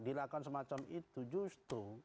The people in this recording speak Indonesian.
dilakukan semacam itu justru